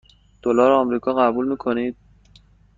دلار آمریکا قبول می کنید؟